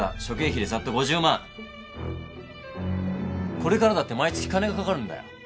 これからだって毎月金がかかるんだよ。